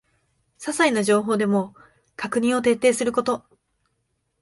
ささいな情報でも確認を徹底すること